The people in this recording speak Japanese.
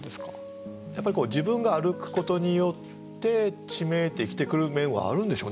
やっぱり自分が歩くことによって地名って生きてくる面はあるんでしょうね。